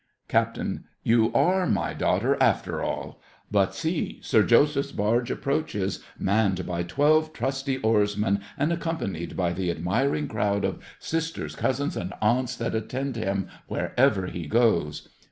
CAPT. You are my daughter after all. But see, Sir Joseph's barge approaches, manned by twelve trusty oarsmen and accompanied by the admiring crowd of sisters, cousins, and aunts that attend him wherever he goes.